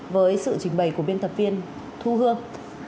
với sự trình bày của biên tập viên thu hương